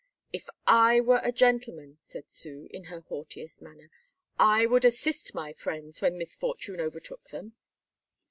"If I were a gentleman," said Sue, in her haughtiest manner, "I would assist my friends when misfortune overtook them."